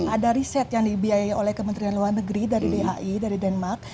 ada riset yang dibiayai oleh kementerian luar negeri dari bhi dari denmark